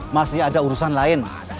masih ada urusan lain